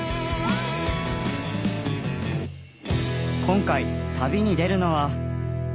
今回旅に出るのは。